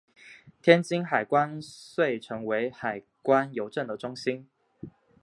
天津海关遂成为海关邮政的中心。